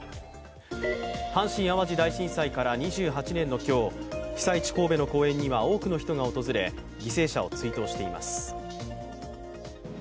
阪神・淡路大震災から２８年の今日、被災地・神戸の公園には多くの人が訪れ、犠牲者を追悼しています。